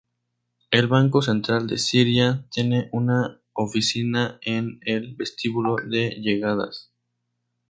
El "Banco Central de Siria" tiene una oficina en el vestíbulo de llegadas.